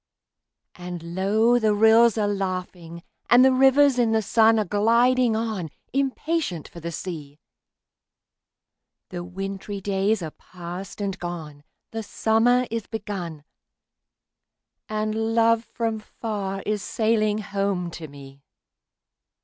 And low the rills are laughing, and the rivers in the sun Are gliding on, impatient for the sea; The wintry days are past and gone, the summer is begun, And love from far is sailing home to me!